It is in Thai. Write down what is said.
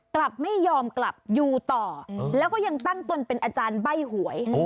กลับไม่ยอมกลับอยู่ต่อแล้วก็ยังตั้งตนเป็นอาจารย์ใบ้หวย